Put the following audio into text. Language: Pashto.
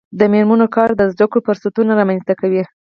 د میرمنو کار د زدکړو فرصتونه رامنځته کوي.